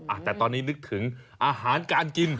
อ่ะแต่ตอนนี้นึกถึงอาหารการกิน